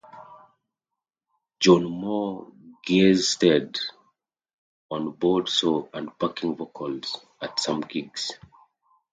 John Moore guested on bowed saw and backing vocals at some gigs.